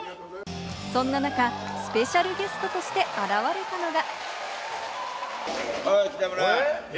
そんな中、スペシャルゲストとして現れたのが。